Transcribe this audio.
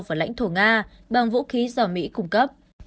và lãnh thổ nga bằng vũ khí do mỹ cung cấp